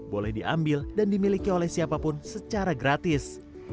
boleh diambil dan dimiliki oleh siapapun secara gratis